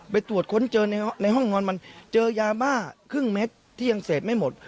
ตรวจค้นเจอในห้องนอนมันเจอยาบ้าครึ่งเม็ดที่ยังเสพไม่หมด